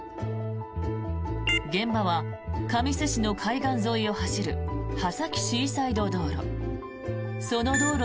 現場は神栖市の海岸沿いを走る波崎シーサイド道路。